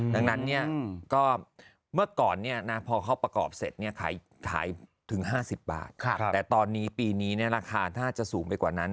ดังนั้นก็เมื่อก่อนพอเขาประกอบเสร็จขายถึง๕๐บาทแต่ตอนนี้ปีนี้ราคาถ้าจะสูงไปกว่านั้น